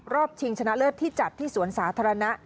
ชิงชนะเลิศที่จัดที่สวนสาธารณะ